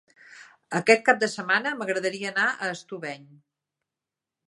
Aquest cap de setmana m'agradaria anar a Estubeny.